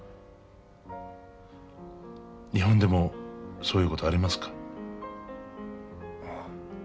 日本でもそういうことありますか？